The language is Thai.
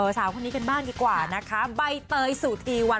สาวคนนี้กันบ้างดีกว่านะคะใบเตยสุธีวัน